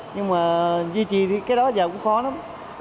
nhưng mà duy trì thì cái đó giờ cũng khó lắm